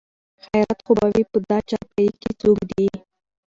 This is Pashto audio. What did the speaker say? خېرت خو به وي په دا چارپايي کې څوک دي?